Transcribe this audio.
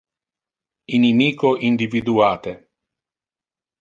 Inimico individuate!